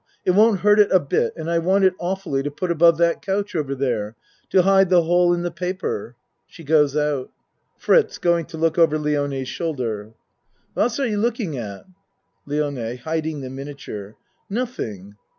It won't hurt it a bit and I want it awfully to put above that couch over there to hide the hole in the pa per. (She goes out.) FRITZ (Going to look over Lione's shoulder.) What are you looking at? LIONE (Hiding the miniature.) Nothing.